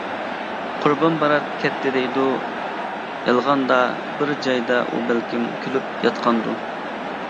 قۇربان بارات كەتتى دەيدۇ، يالغاندا؟ بىر جايدا ئۇ بەلكىم كۈلۈپ ياتقاندۇ.